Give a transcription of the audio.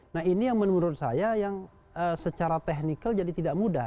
nah ini yang menurut saya yang secara technical jadi tidak mudah